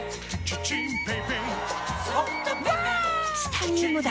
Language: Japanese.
チタニウムだ！